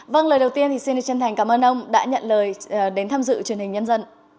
vâng lời đầu tiên thì xin chân thành cảm ơn ông đã nhận lời đến tham dự truyền hình nhân dân